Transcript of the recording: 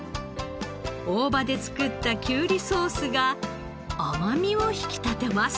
大葉で作ったきゅうりソースが甘みを引き立てます。